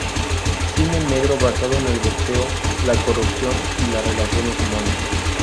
Cine negro basado en el boxeo, la corrupción y las relaciones humanas.